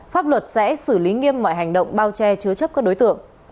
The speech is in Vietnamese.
pháp luật sẽ xử lý nghiêm mọi hành động bao che chứa chấp các đối tượng